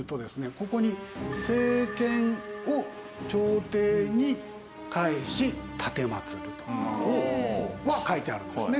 ここに「政権を朝廷に帰し奉る」とは書いてあるんですね。